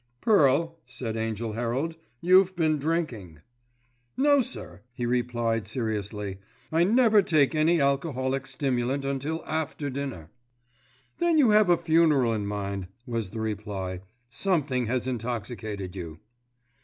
"Pearl," said Angell Herald, "you've been drinking." "No, sir," he replied, seriously, "I never take any alcoholic stimulant until after dinner." "Then you have a funeral in mind," was the reply. "Something has intoxicated you."